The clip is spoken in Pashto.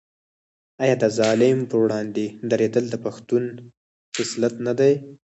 آیا د ظالم پر وړاندې دریدل د پښتون خصلت نه دی؟